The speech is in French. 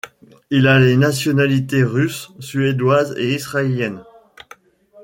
Il a les nationalités russe, suédoise et israélienne.